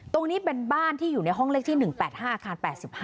ตรงนี้เป็นบ้านที่อยู่ในห้องเลขที่๑๘๕อาคาร๘๕